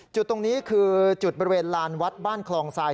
จุดตรงนี้คือจุดบริเวณลานวัดบ้านคลองทราย